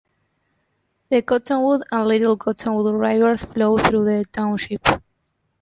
The Cottonwood and Little Cottonwood Rivers flow through the township.